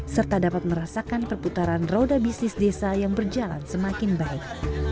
serta dapat merasakan perputaran roda bisnis desa yang berjalan semakin baik